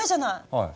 はい。